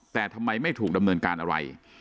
แต่ทำไมไม่ถูกดำเนินการอะไร